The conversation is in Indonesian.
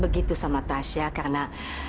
begitu sama tasya karena